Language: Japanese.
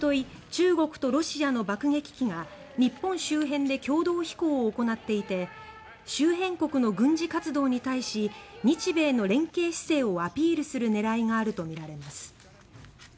中国とロシアの爆撃機が日本周辺で共同飛行を行っていて周辺国の軍事活動に対し日米の連携姿勢をアピールする狙いがあるとみられます。